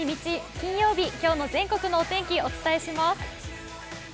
金曜日今日の全国のお天気、お伝えします。